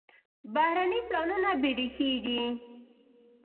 بهرني پلانونه بېریښې دي.